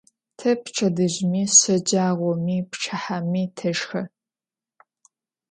Te pçedızjımi, şecağomi, pçıhemi teşşxe.